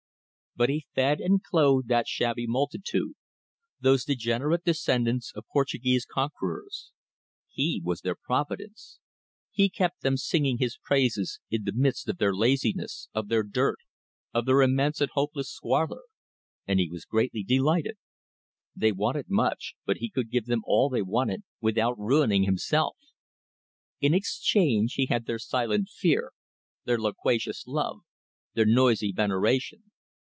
But he fed and clothed that shabby multitude; those degenerate descendants of Portuguese conquerors; he was their providence; he kept them singing his praises in the midst of their laziness, of their dirt, of their immense and hopeless squalor: and he was greatly delighted. They wanted much, but he could give them all they wanted without ruining himself. In exchange he had their silent fear, their loquacious love, their noisy veneration.